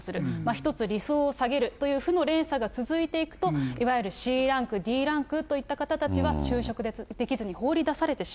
１つ理想を下げるという負の連鎖が続いていくと、いわゆるＣランク、Ｄランクといった方たちは就職できずに放り出されてしまう。